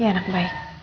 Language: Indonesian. ya anak baik